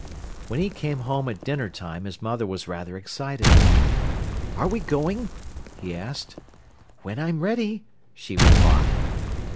When he came home at dinner time his mother was rather excited. "Are we going?" he asked. "When I'm ready," she replied.